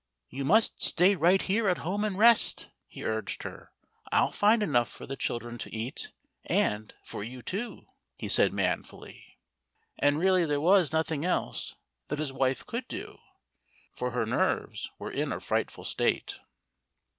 "You must stay right here at home and rest," he urged her. "I'll find enough for the children to eat and for you too," he said manfully. And really there was nothing else that his wife could do; for her nerves were in a frightful state.